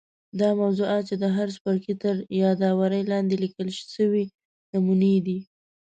دا موضوعات چې د هر څپرکي تر یادوري لاندي لیکل سوي نمونې دي.